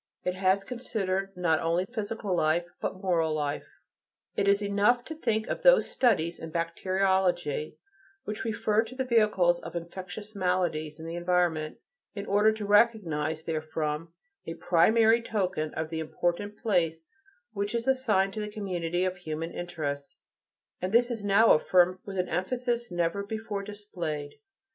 It has considered not only physical life, but moral life. It is enough to think of those studies in bacteriology which refer to the vehicles of infectious maladies in the environment, in order to recognize therefrom a primary token of the important place which is assigned to the community of human interests, and this is now affirmed with an emphasis never before displayed.